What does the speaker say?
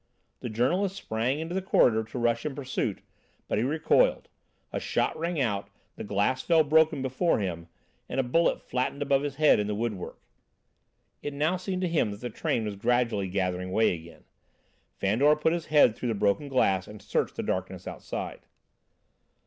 The journalist sprang into the corridor to rush in pursuit. But he recoiled. A shot rang out, the glass fell broken before him, and a bullet flattened above his head in the woodwork. It now seemed to him that the train was gradually gathering way again. Fandor put his head through the broken glass and searched the darkness outside.